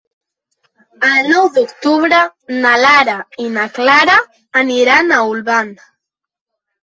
El nou d'octubre na Lara i na Clara aniran a Olvan.